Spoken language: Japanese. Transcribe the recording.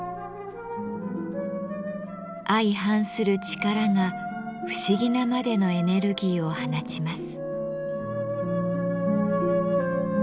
相反する力が不思議なまでのエネルギーを放ちます。